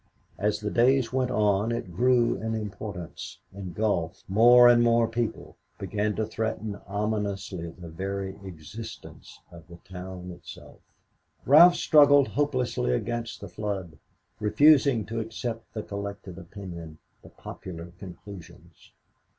As the days went on it grew in importance, engulfed more and more people, began to threaten ominously the very existence of the town itself. Ralph struggled hopelessly against the flood, refusing to accept the collected opinion, the popular conclusions.